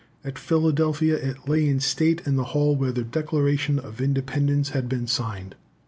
At Philadelphia it lay in state in the hall where the Declaration of Independence had been signed.